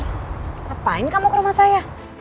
ngapain kamu ke rumah saya